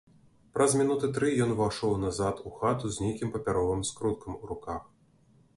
Праз мінуты тры ён увайшоў назад у хату з нейкім папяровым скруткам у руках.